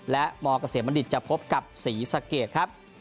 และมเกษียบรรดิจะพบกับสีสะเกดครับ